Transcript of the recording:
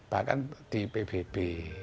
bahkan di pbb